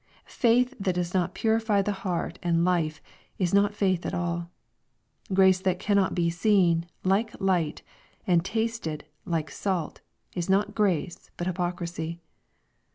Faith that does not purify the heart and life, is not faith at all. Grace that cannot be seen, like light, and tasted, like salt, is not grace, but hypocrisy.